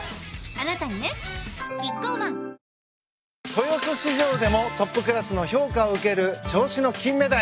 豊洲市場でもトップクラスの評価を受ける銚子のキンメダイ。